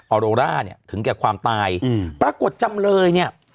อโรร่าเนี่ยถึงแก่ความตายอืมปรากฏจำเลยเนี่ย